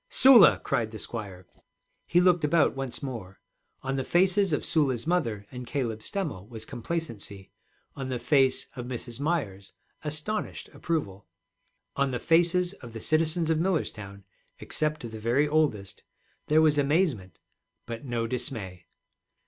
'Sula!' cried the squire. He looked about once more. On the faces of Sula's mother and Caleb Stemmel was complacency, on the face of Mrs. Myers astonished approval, on the faces of the citizens of Millerstown except the very oldest there was amazement, but no dismay.